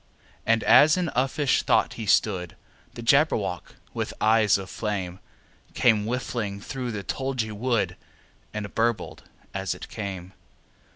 And as in uffish thought he stood, The Jabberwock, with eyes of flame, Came whiffling through the tulgey wood, And burbled as it came!